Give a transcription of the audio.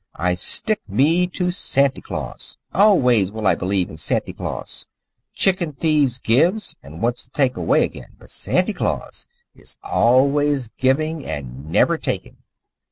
I stick me to Santy Claus. Always will I belief in Santy Claus. Chicken thiefs gives, and wants to take away again, but Santy Claus is always giving and never taking."